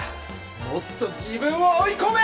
もっと自分を追い込め！